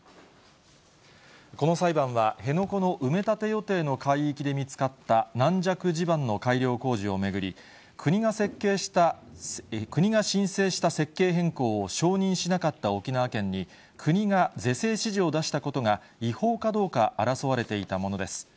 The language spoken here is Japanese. この裁判は、辺野古の埋め立て予定の海域で見つかった軟弱地盤の改良工事を巡り、国が申請した設計変更を承認しなかった沖縄県に、国が是正指示を出したことが違法かどうか争われていたものです。